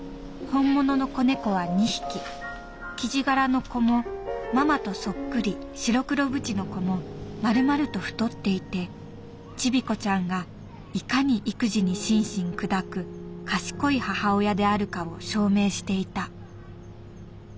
「本物の子猫は２匹キジ柄の子もママとそっくり白黒ブチの子も丸々と太っていてチビコちゃんがいかに育児に心身砕く賢い母親であるかを証明していた」。